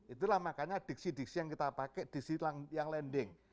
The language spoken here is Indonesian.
itulah makanya diksi diksi yang kita pakai di silang yang landing